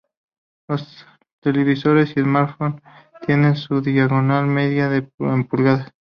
Los televisores y "smartphones" tienen su diagonal medida en pulgadas.